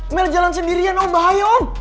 mel jalan sendirian om bahaya om